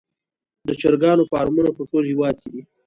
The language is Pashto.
د چرګانو فارمونه په ټول هیواد کې دي